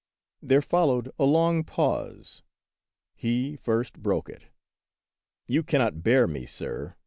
There fol lowed a long pause; he first broke it. "You cannot bear me, sir.